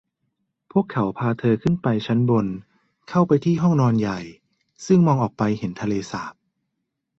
พวกเขาพาเธอขึ้นไปชั้นบนเข้าไปที่ห้องนอนใหญ่ซึ่งมองออกไปเห็นทะเลสาบ